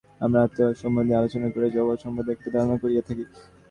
আমরা আমাদের আত্মা সম্বন্ধে আলোচনা করিয়াই জগৎ সম্বন্ধে একটা ধারণা করিয়া থাকি।